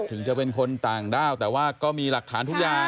ถึงจะเป็นคนต่างด้าวแต่ว่าก็มีหลักฐานทุกอย่าง